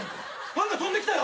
パンが飛んできたよ。